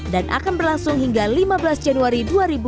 dan akan berlangsung hingga lima belas januari dua ribu dua puluh tiga